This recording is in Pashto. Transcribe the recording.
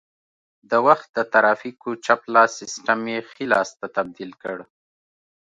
د وخت د ترافیکو چپ لاس سیسټم یې ښي لاس ته تبدیل کړ